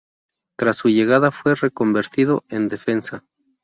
Tras su llegada fue reconvertido en defensa.